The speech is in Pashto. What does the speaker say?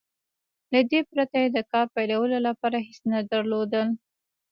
له دې پرته يې د کار پيلولو لپاره هېڅ نه درلودل.